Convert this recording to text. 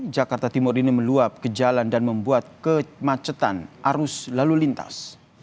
jakarta timur ini meluap ke jalan dan membuat kemacetan arus lalu lintas